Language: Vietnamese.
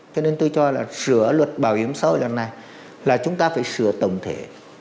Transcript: cho nên tôi cho là sửa luật bảo hiểm xã hội lần này là chúng ta phải sửa tổng thể